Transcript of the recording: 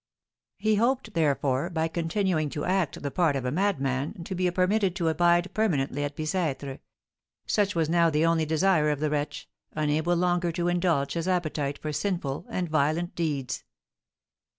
He hoped, therefore, by continuing to act the part of a madman, to be permitted to abide permanently at Bicêtre; such was now the only desire of the wretch, unable longer to indulge his appetite for sinful and violent deeds.